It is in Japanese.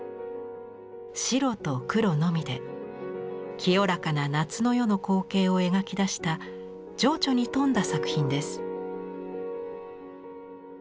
白と黒のみで清らかな夏の夜の光景を描き出した情緒に富んだ作品です。